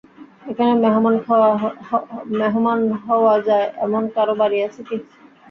এখানে মেহমান হওয়া যায় এমন কারও বাড়ি আছে কি?